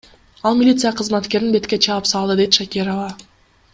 Ал милиция кызматкерин бетке чаап салды, — дейт Шакирова.